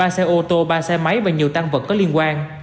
ba xe ô tô ba xe máy và nhiều tăng vật có liên quan